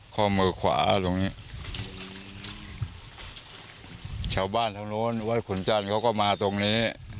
ข้อมือขวาชาวบ้านทั้งนู้นวัดขุนจรเขาก็มาตรงนี้